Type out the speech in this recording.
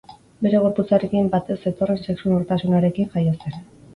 Bere gorputzarekin bat ez zetorren sexu nortasunarekin jaio zen.